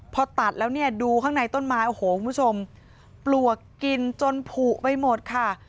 พอตัดแล้วเนี่ยดูข้างในต้นไม้โอ้โหคุณผู้ชมปลวกกินจนผูกไปหมดค่ะ